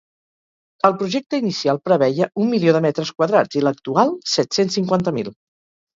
El projecte inicial preveia un milió de metre quadrats i l’actual, set-cents cinquanta mil.